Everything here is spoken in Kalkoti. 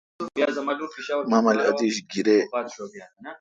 مہ مل اتیش گیریی۔